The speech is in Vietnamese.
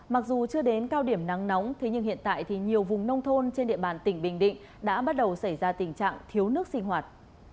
mặc dù chưa đến cao điểm nắng nóng thế nhưng hiện tại thì nhiều vùng nông thôn trên địa bàn tỉnh bình định đã bắt đầu xảy ra tình trạng thiếu nước sinh hoạt